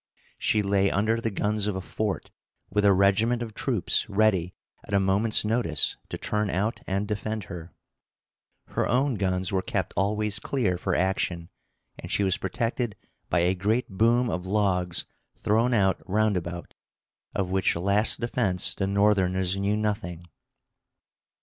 She lay under the guns of a fort, with a regiment of troops ready at a moment's notice to turn out and defend her. Her own guns were kept always clear for action, and she was protected by a great boom of logs thrown out roundabout; of which last defense the Northerners knew nothing.